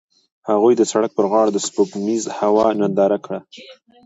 هغوی د سړک پر غاړه د سپوږمیز هوا ننداره وکړه.